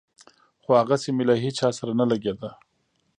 خو هغسې مې له هېچا سره نه لګېده.